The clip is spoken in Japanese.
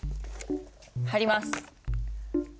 貼ります。